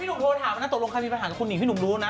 พี่หนุ่มโทรถามนะตัวลงใครมีปัญหาคุณหนุ่มพี่หนุ่มรู้นะ